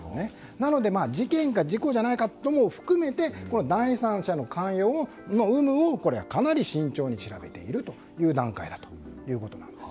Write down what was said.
なので事件か事故じゃないかも含めて第三者の関与の有無をかなり慎重に調べている段階だということです。